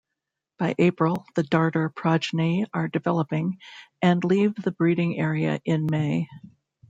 By April, the darter progeny are developing, and leave the breeding area in May.